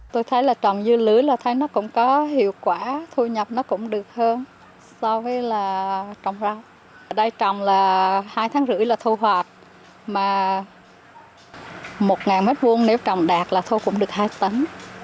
hai tháng rưỡi là thu hoạt mà một mét vùng nếu trồng đạt là thu cũng được hai tấn